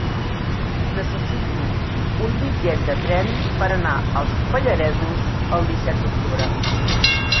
Necessito un bitllet de tren per anar als Pallaresos el disset d'octubre.